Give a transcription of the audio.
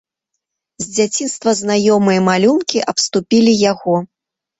З дзяцінства знаёмыя малюнкі абступілі яго.